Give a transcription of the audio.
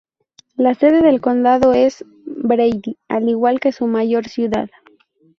La sede del condado es Brady, al igual que su mayor ciudad.